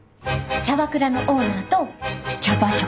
キャバクラのオーナーとキャバ嬢。